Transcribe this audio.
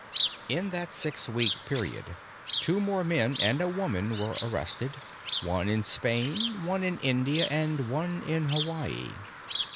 In that six week period, two more men and a woman were arrested one in Spain, one in India, and one in Hawaii.